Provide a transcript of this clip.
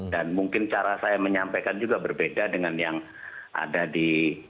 dan mungkin cara saya menyampaikan juga berbeda dengan yang ada di